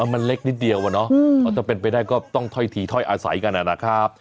มันเล็กนิดเดียวอะเนาะถ้าเป็นไปได้ก็ต้องถ้อยทีถ้อยอาศัยกันนะครับ